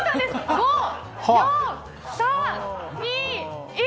５、４、３、２、１。